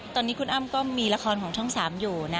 ตอนนี้คุณอ้ำก็มีละครของช่อง๓อยู่นะ